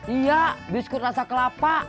iya biskut rasa kelapa